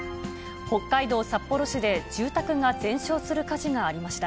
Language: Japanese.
北海道札幌市で、住宅が全焼する火事がありました。